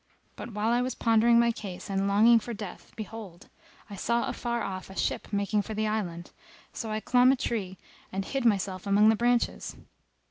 But while I was pondering my case and longing for death behold, I saw afar off a ship making for the island; so I clomb a tree and hid myself among the branches.